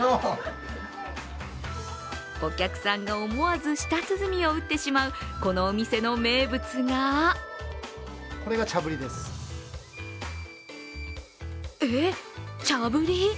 お客さんが思わず舌鼓を打ってしまうこのお店の名物がえっ、茶ぶり？